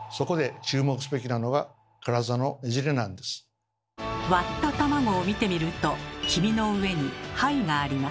そこで割った卵を見てみると黄身の上に胚があります。